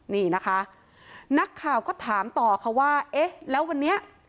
นี่นะคะนักข่าวก็ถามต่อค่ะว่าเอ๊ะแล้ววันนี้